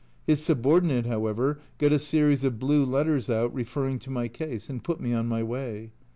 His subordinate, however, got a series of blue letters out referring to my case, and put me on my way.